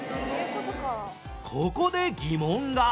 ここで疑問が